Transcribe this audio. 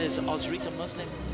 itu bahasa yunani